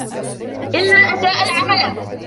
إلَّا أَسَاءَ الْعَمَلَ